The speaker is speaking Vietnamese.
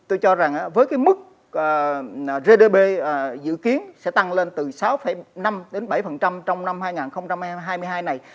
tôi cho rằng với cái mức gdp dự kiến sẽ tăng lên từ sáu năm đến bảy trong năm hai nghìn hai mươi hai này